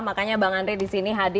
makanya bang andre di sini hadir